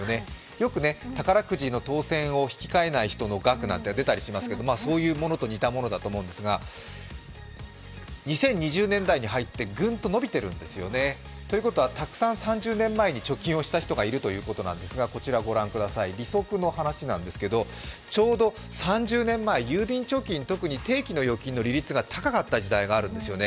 よく宝くじの当せんを引き換えない人の額が出ますがそういうものと似たものだと思うんですが、２０２０年代に入ってグンと伸びているんですよね。ということは、３０年前にたくさん、貯金をした人がいるということなんですが利息の話なんですが、ちょうど３０年前、郵便貯金、特に定期の貯金の利率が高かった時代があるんですよね。